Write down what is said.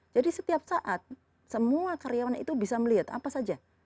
jadi setiap saat semua karyawan itu bisa melihat apa saja